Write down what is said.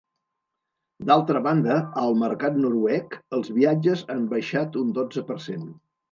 D'altra banda, al mercat noruec, els viatges han baixat un dotze per cent.